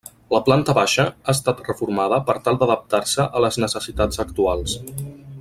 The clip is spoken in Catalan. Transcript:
La planta baixa ha estat reformada per tal d'adaptar-se a les necessitats actuals.